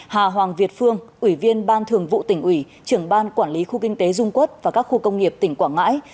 hà hoàng việt phương ủy viên ban thường vụ tỉnh ủy trưởng ban quản lý khu kinh tế dung quốc và các khu công nghiệp tỉnh quảng ngãi